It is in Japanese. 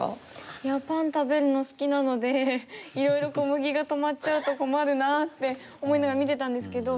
いやパン食べるの好きなのでいろいろ小麦が止まっちゃうと困るなって思いながら見てたんですけど。